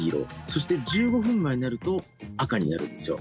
そして１５分前になると赤になるんですよ。